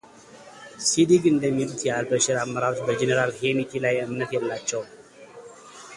ሲዲግ እንደሚሉት የአልበሽር አመራሮች በጄነራል ሄምቲ ላይ እምነት የላቸውም